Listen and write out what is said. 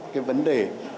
cái vấn đề